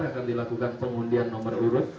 akan dilakukan pengundian nomor urut